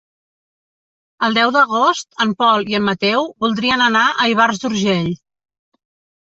El deu d'agost en Pol i en Mateu voldrien anar a Ivars d'Urgell.